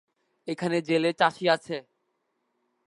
এখানে জেলে, চাষী আছে।